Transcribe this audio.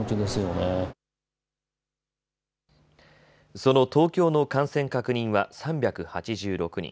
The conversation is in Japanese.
その東京の感染確認は３８６人。